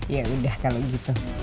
yaudah kalau gitu